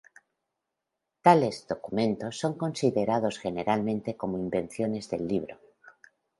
Tales "documentos" son considerados generalmente como invenciones del libro.